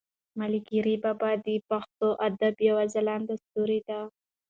ملکیار بابا د پښتو ادب یو ځلاند ستوری دی.